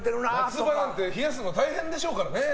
夏なんて冷やすの大変でしょうからね